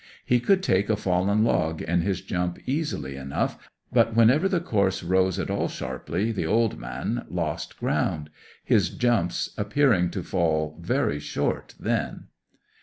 He could take a fallen log in his jump easily enough, but whenever the course rose at all sharply the old man lost ground; his jumps appearing to fall very short then.